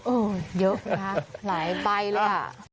โอ้ยหยุดนะนายใต้แล้ว